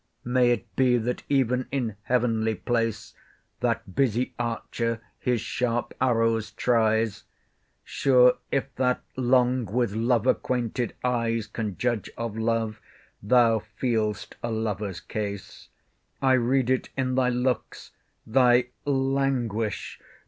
may it be, that even in heavenly place That busy Archer his sharp arrows tries? Sure, if that long with love acquainted eyes Can judge of love, thou feel'st a lover's case; I read it in thy looks; thy languish!